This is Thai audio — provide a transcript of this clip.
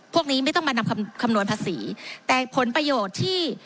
พวกนี้ไม่ต้องมานำคำนวณภาษีแต่ผลประโยชน์ที่